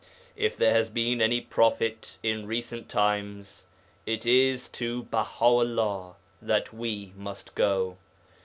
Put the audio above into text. If there has been any prophet in recent times, it is to Baha 'ullah that we must go.